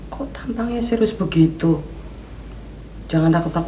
kamu harus bicara dengan baik